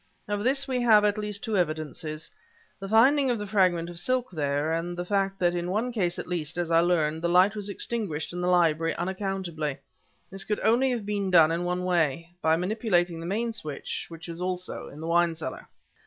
Of this we have at least two evidences: the finding of the fragment of silk there, and the fact that in one case at least as I learned the light was extinguished in the library unaccountably. This could only have been done in one way: by manipulating the main switch, which is also in the wine cellar."